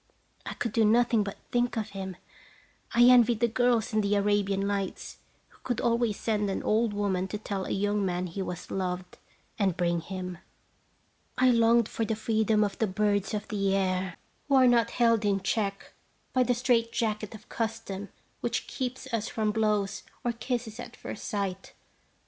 I could do nothing but think of him. I envied the girls in the "Arabian Nights," who could always send an old woman to tell a young man he was loved, and bring him. I longed for the freedom of the birds of the air, who are not held in check by the straight jacket of custom which keeps us from blows or kisses at first sight.